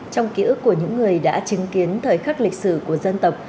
trong ký ức của những người đã chứng kiến thời khắc lịch sử của dân tộc